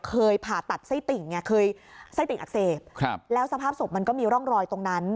ผ่าตัดไส้ติ่งไงเคยไส้ติ่งอักเสบครับแล้วสภาพศพมันก็มีร่องรอยตรงนั้น